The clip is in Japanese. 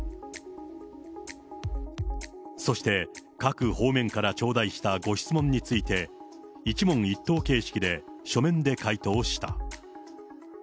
そして、各方面から頂戴したご質問について、一問一答形式で書面で回答した。